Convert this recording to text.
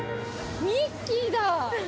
ミッキーだ！